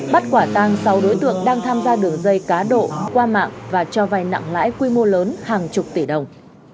bắt quả tăng sáu đối tượng đang tham gia đửa dây cá độ qua mạng và cho vai nặng lãi quy mô lớn hàng chục tỷ đồng